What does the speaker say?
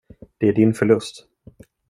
Det är din förlust.